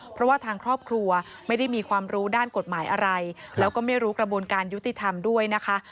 เพราะว่าทางครอบครัวไม่ได้มีความรู้ด้านกฎหมายอะไรแล้วก็ไม่รู้กระบวนการยุติธรรมด้วยนะคะ